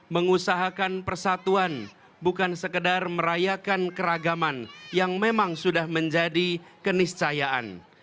mengusahakan persatuan bukan sekedar merayakan keragaman yang memang sudah menjadi keniscayaan